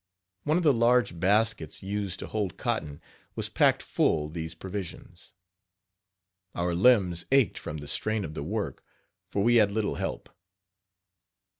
One of the large baskets used to hold cotton was packed full these provisions. Our limbs ached from the strain of the work, for we had little help.